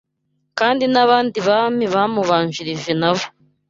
Kandi n’abandi Bami bamubanjirije nabo